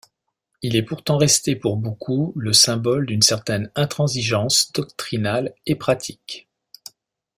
Il est pourtant resté pour beaucoup le symbole d'une certaine intransigeance doctrinale et pratique.